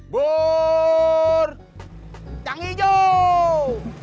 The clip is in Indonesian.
bur yang hijau